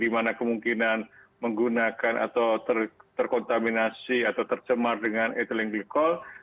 menggunakan atau terkontaminasi atau tercemar dengan eteleng glycol